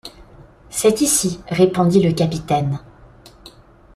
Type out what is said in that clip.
C’est ici, répondit le capitaine.